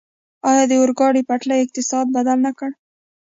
آیا د اورګاډي پټلۍ اقتصاد بدل نه کړ؟